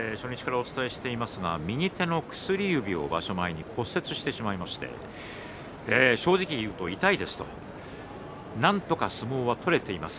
ただ北青鵬は今場所は初日から右手の薬指を場所前に骨折してしまいまして正直言うと痛いですなんとか相撲を取れています